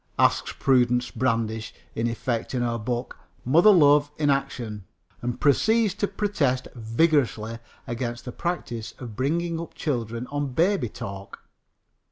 asks Prudence Brandish in effect in her book Mother Love in Action, and proceeds to protest vigorously against the practice of bringing up children on baby talk.